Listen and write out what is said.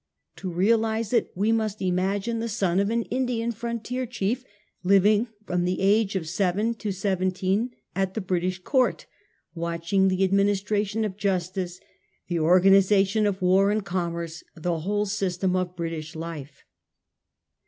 To realise it we must imagine the son of an Indian frontier chief living from the age of seven to seventeen it the British Court, watching the administration of justice, the organisation of war and commerce, the whole system of British life.